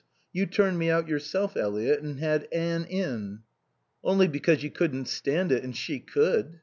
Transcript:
You turned me out yourself, Eliot, and had Anne in." "Only because you couldn't stand it and she could."